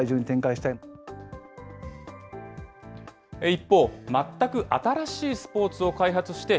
一方、全く新しいスポーツを開発して、